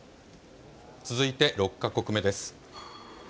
続いて６か国目です。